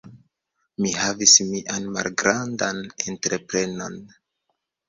Mi havis mian malgrandan entreprenon.